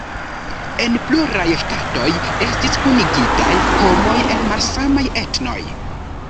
En pluraj ŝtatoj estis kunigitaj homoj el malsamaj etnoj.